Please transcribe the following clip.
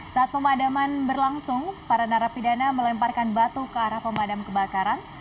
saat pemadaman berlangsung para narapidana melemparkan batu ke arah pemadam kebakaran